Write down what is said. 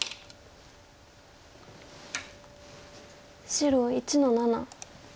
白１の七。